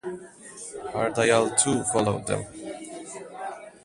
Har Dayal, too, followed them.